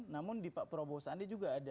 namun di pak prabowo sandi juga ada